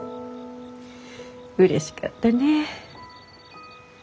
うれしかったねぇ。